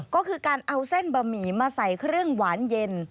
ก็คือการเอาเส้นบะหมี่มาใส่เครื่องหวานเย็น